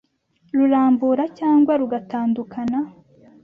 rurambura cyangwa rugatandukana